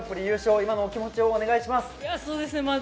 今のお気持ちをお願いします。